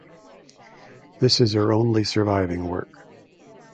This is her only surviving work.